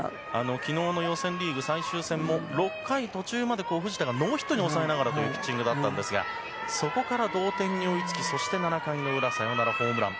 昨日の予選リーグ最終戦も６回途中まで藤田がノーヒットに抑えながらというピッチングだったんですがそこから同点に追いつきそして、７回の裏サヨナラホームラン。